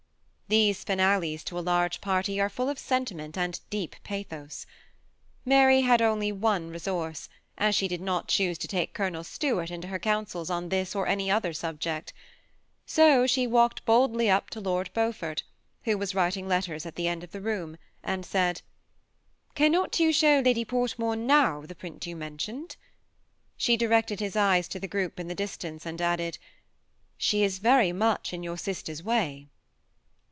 These finales to a large party are full of sen timent and deep pathos. Mary had only one resource, as she did not choose to take Colonel Stuart into her « councils on this or aqy other subject; so she walked boldly up to Lord Beaufort, who was writing letters at the end of the room, and said, *' Cannot you show Lady MM THB SEMI ATTACHED COUPLE. 227 Portmore now the print you mentioned? " She direct ed his ejes to the group in the distance, and added^ " She is very much in your sister's way.